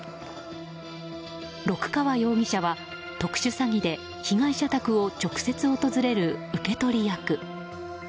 六川容疑者は、特殊詐欺で被害者宅を直接訪れる受け取り役。